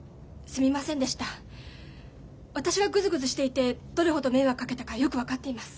私がグズグズしていてどれほど迷惑かけたかよく分かっています。